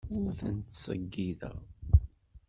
Ur ten-ttṣeyyideɣ.